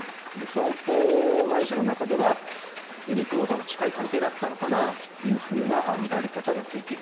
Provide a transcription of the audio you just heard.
損保会社の中ではビッグモーターと近い関係だったのかなという見られ方ができる。